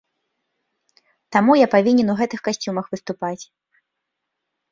Таму я павінен у гэтых касцюмах выступаць.